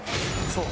そう。